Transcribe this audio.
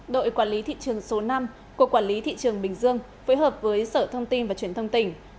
đội quản lý thị trường số năm của quản lý thị trường bình dương phối hợp với sở thông tin và truyền thông tỉnh